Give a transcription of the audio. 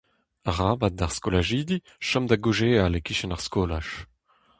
Arabat d'ar skolajidi chom da gaozeal e-kichen ar skolaj.